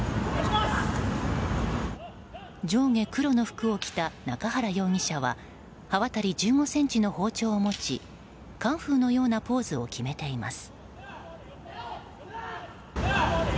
上下黒の服を着た中原容疑者は刃渡り１５ｃｍの包丁を持ちカンフーのようなポーズを決めています。